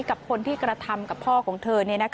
กับคนที่กระทำกับพ่อของเธอ